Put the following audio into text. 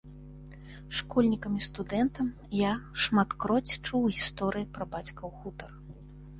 Школьнікам і студэнтам я шматкроць чуў гісторыі пра бацькаў хутар.